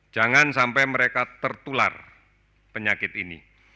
jangan sampai mereka tertular penyakit ini